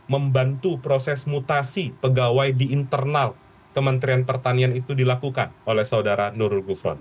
membantu proses mutasi pegawai di internal kementerian pertanian itu dilakukan oleh saudara nurul gufron